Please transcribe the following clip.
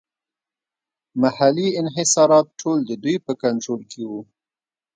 محلي انحصارات ټول د دوی په کنټرول کې وو.